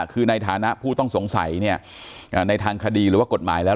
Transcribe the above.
คือในฐานะผู้ต้องสงสัยเนี่ยในทางคดีหรือว่ากฎหมายแล้ว